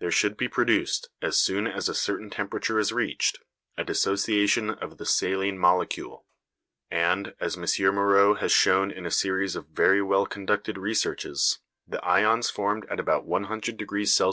There should be produced, as soon as a certain temperature is reached, a dissociation of the saline molecule; and, as M. Moreau has shown in a series of very well conducted researches, the ions formed at about 100°C.